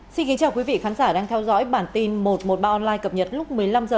xin kính chào quý vị khán giả đang theo dõi bản tin một trăm một mươi ba online cập nhật lúc một mươi năm h